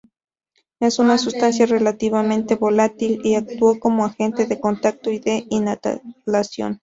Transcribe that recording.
Es una sustancia relativamente volátil y actúa como agente de contacto y de inhalación.